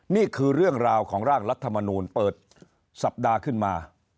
นี่คือเรื่องราวของร่างรัฐมนูลเปิดสัปดาห์ขึ้นมา